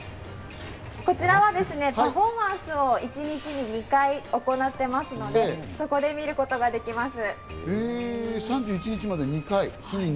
こちらはパフォーマンスを一日に２回行っておりますので、そこで見ることができます。